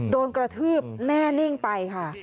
โดนกระทืบแน่นิ่งไปค่ะ